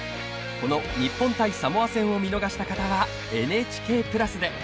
この日本対サモア戦を見逃した方はＮＨＫプラスで！